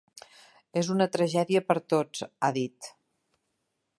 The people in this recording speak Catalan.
"És una tragèdia per a tots", ha dit.